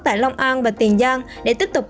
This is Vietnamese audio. tại long an và tiền giang để tiếp tục